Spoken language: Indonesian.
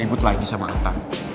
ibut lagi sama ata